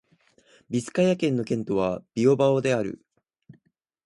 ビスカヤ県の県都はビルバオである